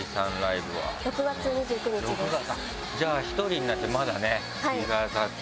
じゃあ１人になってまだね日がたってない。